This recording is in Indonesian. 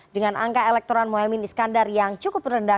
dengan angka elektoran mohaimin iskandar yang cukup rendah